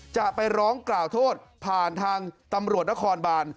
จะไปร้องกล่าวโทษผ่านทางตำรวจนครบาน